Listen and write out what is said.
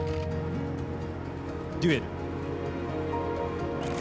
デュエル。